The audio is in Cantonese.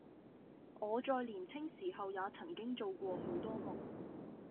我在年青時候也曾經做過許多夢，